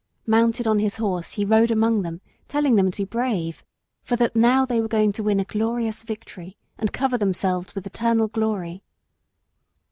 Mounted on his horse he rode among them telling them to be brave, for that they were now going to win a glorious victory and cover themselves with eternal glory.